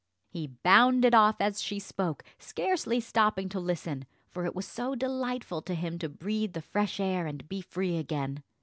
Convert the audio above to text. '" He bounded off as she spoke, scarcely stopping to listen, for it was so delightful for him to breathe the fresh air and be free again.